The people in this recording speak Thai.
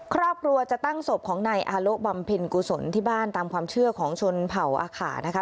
ครอบครัวจะตั้งศพของนายอาโลบำเพ็ญกุศลที่บ้านตามความเชื่อของชนเผ่าอาขานะคะ